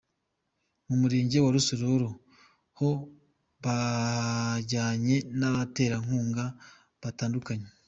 Mu murenge wa Rusororo ho bajyanye n'abaterankunga batandukanye.